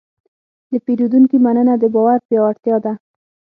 د پیرودونکي مننه د باور پیاوړتیا ده.